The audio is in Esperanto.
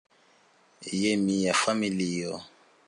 Jen nia familio.